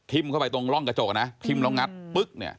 ทิมเข้าไปตรงร่องกระจกนะทิมแล้วงัดปึ๊บ